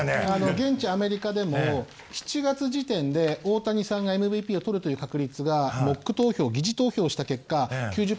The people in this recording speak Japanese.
現地アメリカでも７月時点で大谷さんがＭＶＰをとるという確率が疑似投票した結果９０％以上。